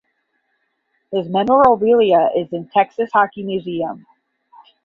His memorabilia is in Texas Hockey Museum.